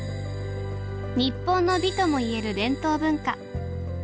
日本の美ともいえる伝統文化。